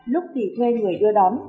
lúc thì thuê người đưa đón